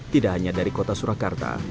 tidak hanya dari kota surakarta